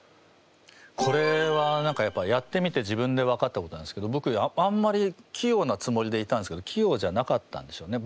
これは何かやっぱやってみて自分で分かったことなんですけどぼくあんまり器用なつもりでいたんですけど器用じゃなかったんでしょうね。